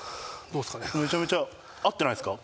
めちゃめちゃ合ってないですか？